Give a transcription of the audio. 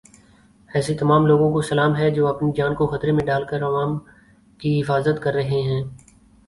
ایسے تمام لوگوں کو سلام ہے جو اپنی جان کو خطرے میں ڈال کر عوام کی حفاظت کر رہے ہیں۔